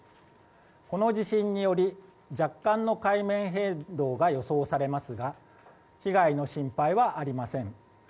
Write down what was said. この地震により若干の海面変動が予想されますが被害の心配はありません。